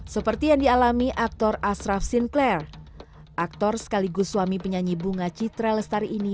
seperti yang dialami aktor ashraf sinclair aktor sekaligus suami penyanyi bunga citra lestari ini